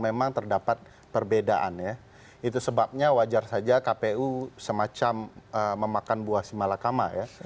memang terdapat perbedaan ya itu sebabnya wajar saja kpu semacam memakan buah si malakama ya